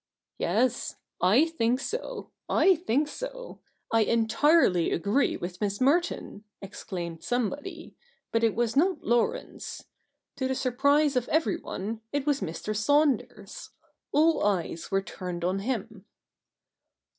' Yes, / think so; /think so. I entirely agree with Miss Merton,' exclaimed somebody. But it was not Laurence. To the surprise of everyone, it was Mr. Saunders. All eyes were turned on him. 152 THE NEW REPUBLIC [bk.